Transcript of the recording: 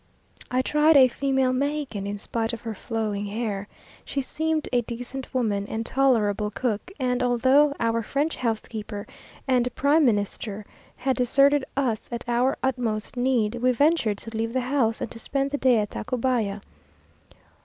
I tried a female Mexican, in spite of her flowing hair. She seemed a decent woman and tolerable cook; and, although our French housekeeper and prime Minister had deserted us at our utmost need, we ventured to leave the house, and to spend the day at Tacubaya.